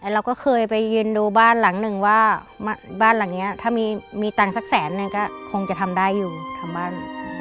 เราก็เคยไปยืนดูบ้านหลังหนึ่งว่าบ้านหลังนี้ถ้ามีตังค์สักแสนนึงก็คงจะทำได้อยู่ทำบ้าน